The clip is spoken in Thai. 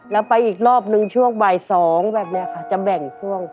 แล้วไปอีกรอบนึงช่วงบ่าย๒แบบนี้ค่ะจะแบ่งช่วง